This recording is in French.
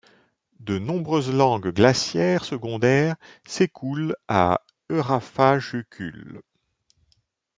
De nombreuses langues glaciaires secondaires s'écoulent de Öræfajökull.